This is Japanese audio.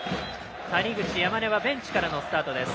谷口、山根はベンチからのスタートです。